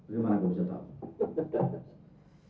bagaimana kau mencetak